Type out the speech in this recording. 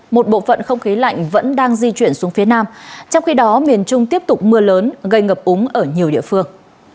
một bộ phận không khí lạnh vẫn đang di chuyển xuống phía nam trong khi đó miền trung tiếp tục mưa lớn gây ngập úng ở nhiều địa phương